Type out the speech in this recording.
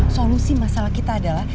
solusi masalah kita adalah